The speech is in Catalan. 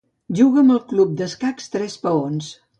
Juga amb el Club Escacs Tres Peons.